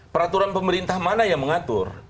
peraturan pemerintah mana yang mengatur